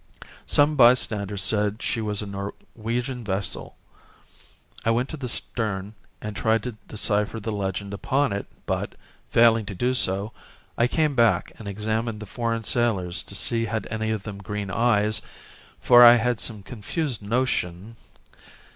Some bystander said that she was a Norwegian vessel. I went to the stern and tried to decipher the legend upon it but, failing to do so, I came back and examined the foreign sailors to see had any of them green eyes for I had some confused notion....